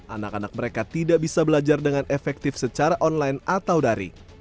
anak anak mereka tidak bisa belajar dengan efektif secara online atau dari